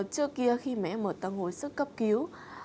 trước kia khi mà em ở tầng hồi sức cấp cứu